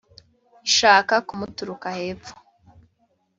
Ishaka kumuturuka hepfo.